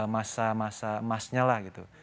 masa masa emasnya lah gitu